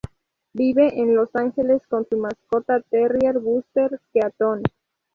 Vive en Los Ángeles con su mascota terrier, Buster Keaton.